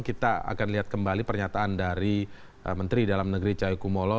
kita akan lihat kembali pernyataan dari menteri dalam negeri cahayu kumolo